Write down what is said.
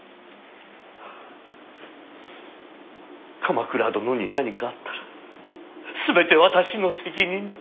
鎌倉殿に何かあったら全て私の責任だ。